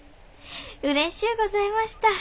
うれしゅうございました。